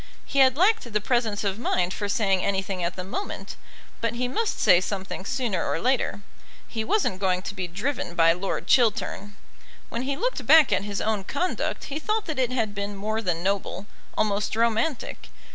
He had lacked the presence of mind for saying anything at the moment; but he must say something sooner or later. He wasn't going to be driven by Lord Chiltern. When he looked back at his own conduct he thought that it had been more than noble, almost romantic.